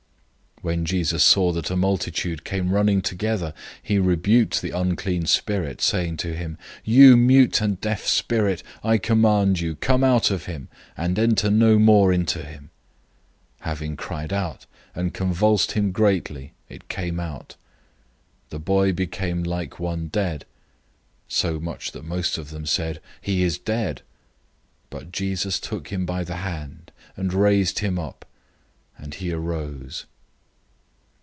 009:025 When Jesus saw that a multitude came running together, he rebuked the unclean spirit, saying to him, "You mute and deaf spirit, I command you, come out of him, and never enter him again!" 009:026 Having cried out, and convulsed greatly, it came out of him. The boy became like one dead; so much that most of them said, "He is dead." 009:027 But Jesus took him by the hand, and raised him up; and he arose.